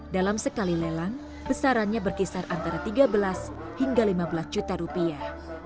dalam sekali lelang besarannya berkisar antara tiga belas hingga lima belas juta rupiah